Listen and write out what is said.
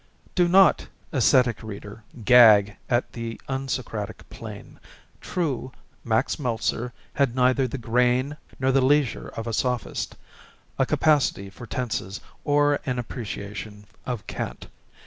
Do not, ascetic reader, gag at the unsocratic plane. True, Max Meltzer had neither the grain nor the leisure of a sophist, a capacity for tenses or an appreciation of Kant.